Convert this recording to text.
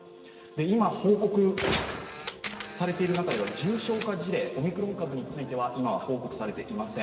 今、報告されている中では重症化事例、オミクロン株については今は報告されていません。